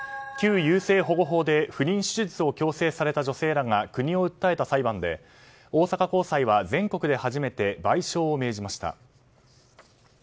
旧優生保護法で不妊手術を強制された女性らが国を訴えた裁判で大阪高裁は全国で初めて賠償を命じました。